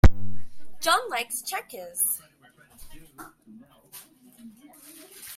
John likes checkers.